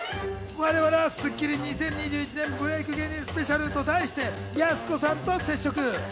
我々はスッキリ２０２１年ブレイク芸人スペシャルと題して、やす子さんと接触。